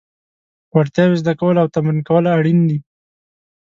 وړتیاوې زده کول او تمرین کول اړین دي.